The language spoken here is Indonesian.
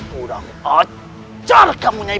kurang ajar kamu nyai potoh kamu jangan berani menghina aku